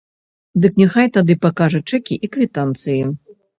Дык няхай тады пакажа чэкі і квітанцыі.